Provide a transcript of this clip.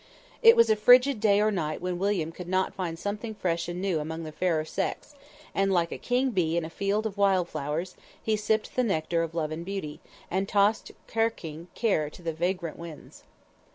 It was a frigid day or night when William could not find something fresh and new among the fair sex, and like a king bee in a field of wild flowers, he sipped the nectar of love and beauty, and tossed carking care to the vagrant winds.